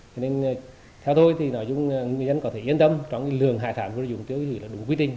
cho nên theo tôi thì nói chung người dân có thể yên tâm trong lường hải sản vừa dùng tiêu hủy là đủ quy tinh